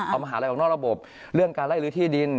เอามหาลัยออกนอกระบบเรื่องการไล่ลื้อที่ดิน